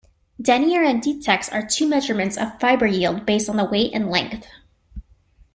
Denier and Dtex are two measurements of fiber yield based on weight and length.